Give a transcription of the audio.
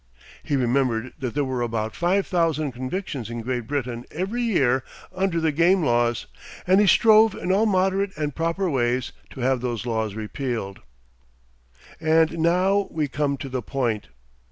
He remembered that there were about five thousand convictions in Great Britain every year under the game laws, and he strove in all moderate and proper ways to have those laws repealed. And now we come to the point.